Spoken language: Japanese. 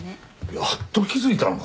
やっと気付いたのか？